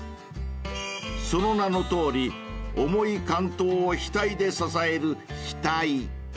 ［その名のとおり重い竿燈を額で支える額］